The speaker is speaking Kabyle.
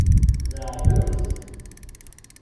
Tbeɛdemt.